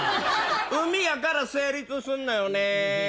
海やから成立すんのよねぇ。